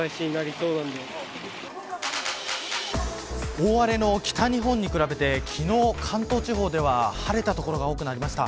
大荒れの北日本に比べて昨日、関東地方では晴れた所が多くなりました。